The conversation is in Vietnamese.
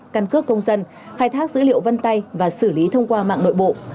căn cước công dân khai thác dữ liệu vân tay và xử lý thông qua mạng nội bộ